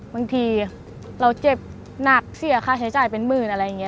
บางทีเราเจ็บหนักเสียค่าใช้จ่ายเป็นหมื่นอะไรอย่างนี้